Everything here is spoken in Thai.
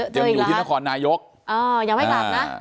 เจออยู่ที่นครนายกอย่างไว้กลับนะ